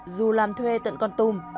dù làm thuê tận con tùng